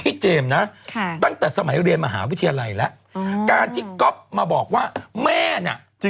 เจมส์นะตั้งแต่สมัยเรียนมหาวิทยาลัยแล้วการที่ก๊อฟมาบอกว่าแม่น่ะ